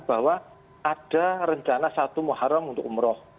bahwa ada rendana satu muharam untuk umroh